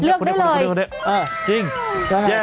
ติดพันเยอะนะคะ